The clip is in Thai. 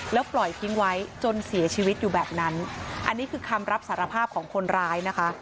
แล้วปล่อยทิ้งไว้จนเสียชีวิตอยู่แบบนั้นอันนี้คือคำรับสารภาพของคนร้ายนะคะ